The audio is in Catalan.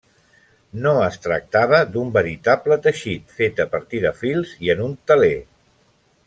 No es tractava d'un veritable teixit fet a partir de fils i en un teler.